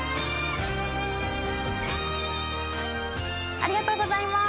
ありがとうございます。